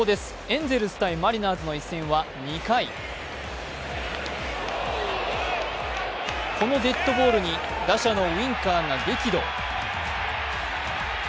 エンゼルス×マリナーズの一戦は２回、このデッドボールに打者のウィンカーが激怒。